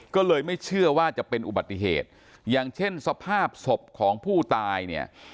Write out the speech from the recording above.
ก็เลยไม่เชื่อว่าจะเป็นอุบัติเหตุอย่างเช่นสภาพศพของผู้ตายเนี่ย